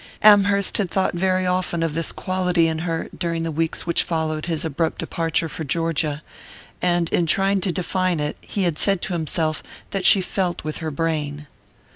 Amherst had thought very often of this quality in her during the weeks which followed his abrupt departure for Georgia; and in trying to define it he had said to himself that she felt with her brain.